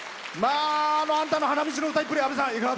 「あんたの花道」の歌いっぷり阿部さん